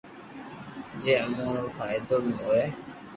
جو امو نو فائدو ھوئي